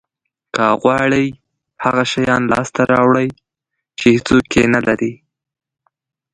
که غواړی هغه شیان لاسته راوړی چې هیڅوک یې نه لري